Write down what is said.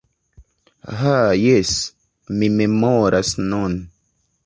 Ha jes! Mi memoras nun: